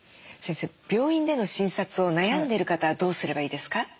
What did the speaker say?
先生病院での診察を悩んでる方はどうすればいいですか？